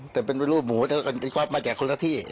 แต่เป็นรูปหมูแต่มันเป็นความมาจากคนละที่